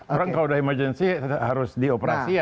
orang kalau sudah emergency harus dioperasi ya